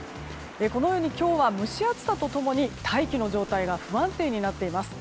このように今日は蒸し暑さと共に大気の状態が不安定になっています。